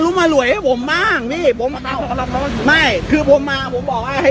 รุมอร่วยให้ผมบ้างพี่ผมไม่คือผมมาผมบอกว่าให้